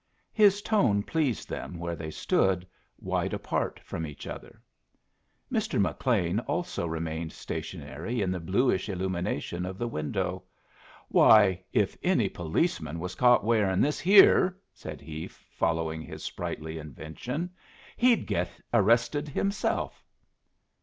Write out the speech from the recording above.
His tone pleased them where they stood, wide apart from each other. Mr. McLean also remained stationary in the bluish illumination of the window. "Why, if any policeman was caught wearin' this here," said he, following his sprightly invention, "he'd get arrested himself."